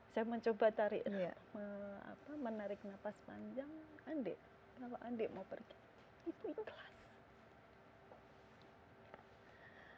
saya mencoba menarik nafas panjang andik kalau andik mau pergi itu ikhlas